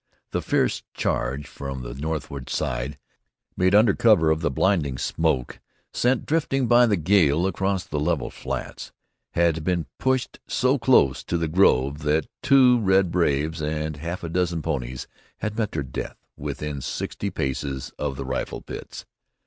The fierce charge from the northward side, made under cover of the blinding smoke sent drifting by the gale across the level flats, had been pushed so close to the grove that two red braves and half a dozen ponies had met their death within sixty paces of the rifle pits.